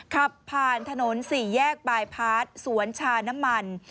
ขับผ่านถนน๔แยกบายพาร์ทสวนชาน้ำมัน